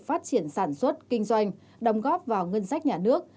phát triển sản xuất kinh doanh đồng góp vào ngân sách nhà nước